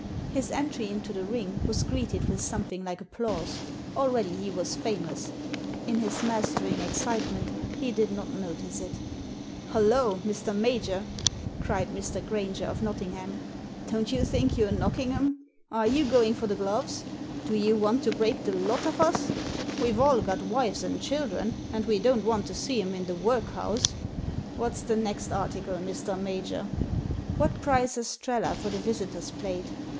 His entry into tiie ring was greeted with something like applause: already he was famous. In his mastering excitement he did not notice it " Hollo 1 Mr. Major," cried Mr. Grainger of Digitized by VjOOQIC 142 THE SEEN AND THE UNSEEN Nottingham, don't you think you're knocking 'cm? Are you going for the gloves? Do you want to break the lot of us? We've all got wives and children, and we don't want to see *em in the workhouse. Whaf s the next article, Mr. Major ?"« What price Estrella for the Visitors' Plate ?